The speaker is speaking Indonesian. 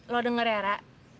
lo denger ya ra